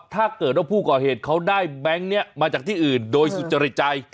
ถ้าเกิดว่าผู้ก่อเหตุเขาได้แบงค์นี้มาจากที่อื่นโดยสุจริตใจ